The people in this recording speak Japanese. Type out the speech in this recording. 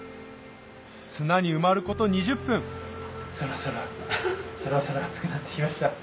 砂に埋まること２０分そろそろそろそろ熱くなってきました。